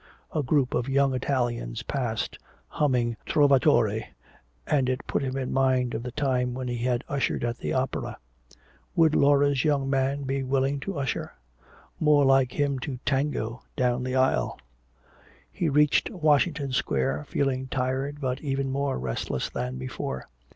A group of young Italians passed, humming "Trovatore," and it put him in mind of the time when he had ushered at the opera. Would Laura's young man be willing to usher? More like him to tango down the aisle! He reached Washington Square feeling tired but even more restless than before.